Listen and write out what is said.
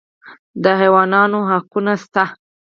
د حیواناتو حقونه شته